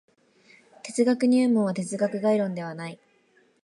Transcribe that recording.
哲学入門は哲学概論ではない。